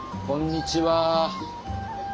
こんにちは。